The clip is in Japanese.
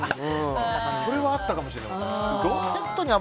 これはあったかもしれません。